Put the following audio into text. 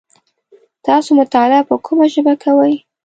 تاسو مطالعه په کومه ژبه کوی ؟